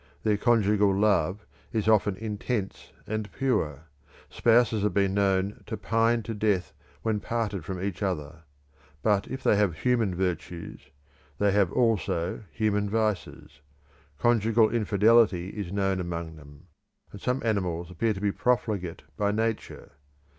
Their conjugal love is often intense and pure; spouses have been known to pine to death when parted from each other. But if they have human virtues, they have also human vices; conjugal infidelity is known among them; and some animals appear to be profligate by nature.